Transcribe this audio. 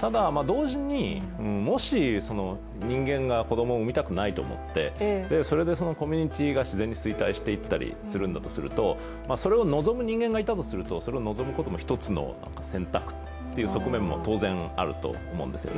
ただ、同時にもし、人間が子供を産みたくないと思って、それでコミュニティーが自然に衰退していったりするんだとするとそれを望む人間がいたとするとそれを望むことも一つの選択という側面もあると思うんですね。